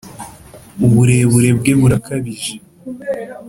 uburebure bwe burakabije